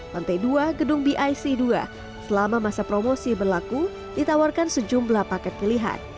lantai dua gedung bic dua selama masa promosi berlaku ditawarkan sejumlah paket pilihan